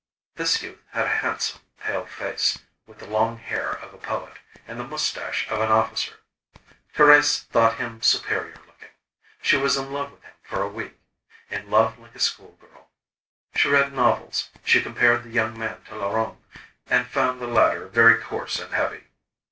This youth had a handsome, pale face, with the long hair of a poet, and the moustache of an officer. Thérèse thought him superior looking. She was in love with him for a week, in love like a schoolgirl. She read novels, she compared the young man to Laurent, and found the latter very coarse and heavy.